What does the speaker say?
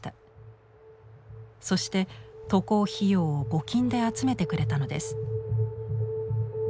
そして渡航費用を募金で集めてくれたのです。